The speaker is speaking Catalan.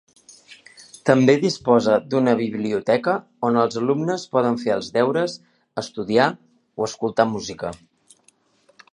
També disposa d'una biblioteca on els alumnes poden fer els deures, estudiar o escoltar música.